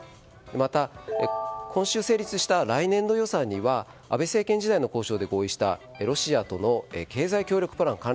また、今週成立した来年度予算には安倍政権時代の交渉で合意した、ロシアとの経済協力プラン